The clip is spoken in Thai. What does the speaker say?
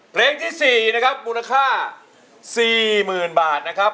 เพลงที่๔นะครับมูลค่า๔๐๐๐บาทนะครับ